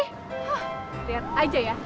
hah liat aja ya